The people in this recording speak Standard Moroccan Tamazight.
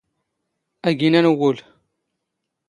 ⴰⴳⵉⵏⴰⵏ ⵏ ⵡⵓⵍ.